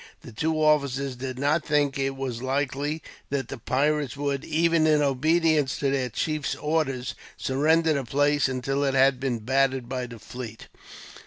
The two officers did not think it was likely that the pirates would, even in obedience to their chief's orders, surrender the place until it had been battered by the fleet.